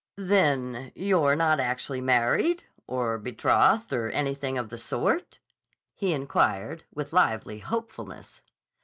"Then you're not actually married or betrothed or anything of the sort?" he inquired with lively hopefulness.